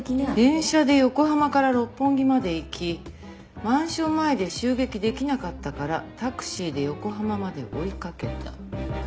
電車で横浜から六本木まで行きマンション前で襲撃できなかったからタクシーで横浜まで追いかけた。